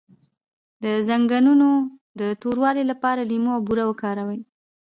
د زنګونونو د توروالي لپاره لیمو او بوره وکاروئ